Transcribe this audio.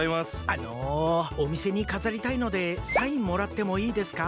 あのおみせにかざりたいのでサインもらってもいいですか？